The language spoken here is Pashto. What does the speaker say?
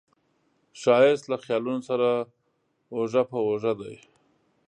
ښایست له خیالونو سره اوږه په اوږه دی